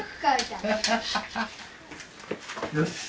よし！